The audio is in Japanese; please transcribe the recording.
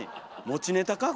持ちネタか？